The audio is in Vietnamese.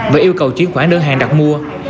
và yêu cầu chuyển khoản đơn hàng đặt mua